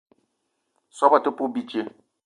Soobo te poup bidjeu.